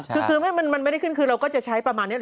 คือมันไม่ได้ขึ้นคือเราก็จะใช้ประมาณนี้